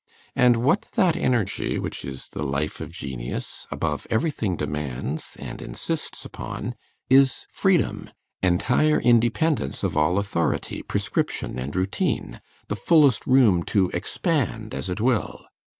And what that energy, which is the life of genius, above everything demands and insists upon, is freedom; entire independence of all authority, prescription, and routine, the fullest room to expand as it will.